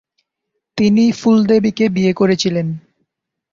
তিনি ফুল দেবীকে বিয়ে করেছিলেন।